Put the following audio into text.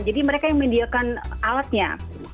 jadi mereka yang mendiakan alatnya